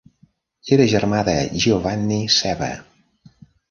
Era germà de Giovanni Ceva.